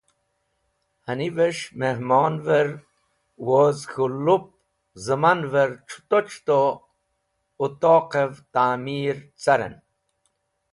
Hanives̃h Mehmonver woz k̃hu lup Zẽmanver c̃huto c̃huto Utoqev ta’mir caren.